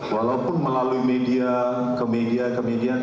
walaupun melalui media ke media ke media